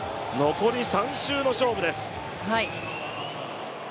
残り３周の勝負です。